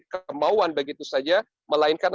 kemauan begitu saja melainkan